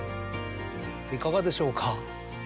いかがでしょうか。